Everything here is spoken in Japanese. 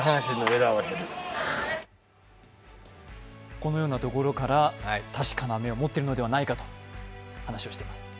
このようなところから、確かな目を持っているのではないかと話しています。